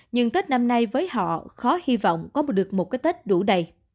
nhưng tết năm nay với họ khó hy vọng có được một cái tết đủ đầy